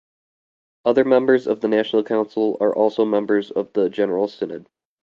Other members of the national council are also members of the general synod.